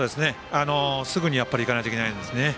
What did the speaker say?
すぐにいかないといけないですね。